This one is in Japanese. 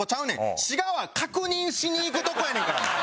滋賀は確認しに行くとこやねんから。